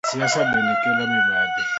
Siasa bende kelo mibadhi.